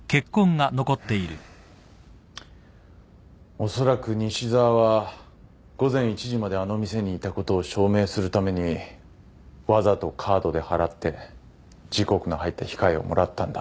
おそらく西沢は午前１時まであの店にいたことを証明するためにわざとカードで払って時刻の入った控えをもらったんだ。